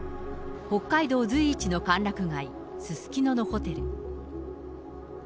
北海道随一の歓楽街、すすきののホテル。